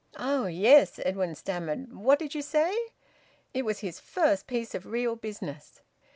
"Oh! Yes," Edwin stammered. "What did you say?" It was his first piece of real business.